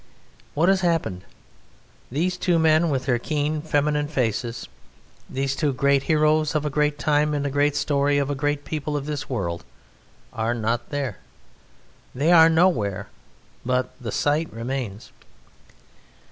What has happened? These two men with their keen, feminine faces, these two great heroes of a great time in the great story of a great people of this world, are not there. They are nowhere. But the site remains.